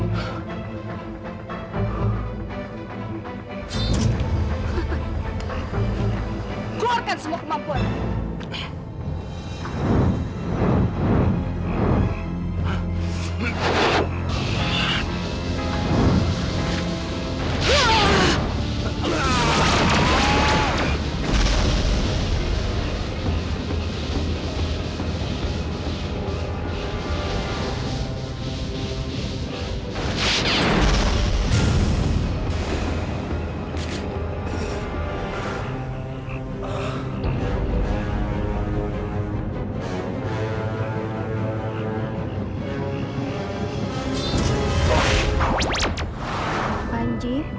kau akan semua kemampuan